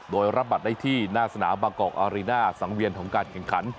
โดยรับบัตรได้ที่หน้าสนามบางกอกอารีน่าสังเวียนของการแข่งขัน